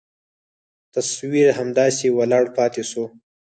تصوير همداسې ولاړ پاته سو.